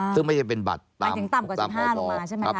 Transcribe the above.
ซึ่งไม่ใช่เป็นบัตรหมายถึงต่ำกว่า๑๕ลงมาใช่ไหมคะ